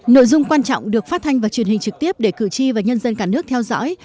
nội dung quan trọng được phát thanh và truyền hình trực tiếp để cử tri và nhân dân cả nước theo dõi